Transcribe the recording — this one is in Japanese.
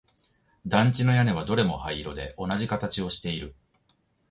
団地の屋根はどれも灰色で同じ形をしている